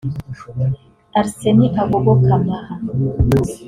Alseny Agogo Camara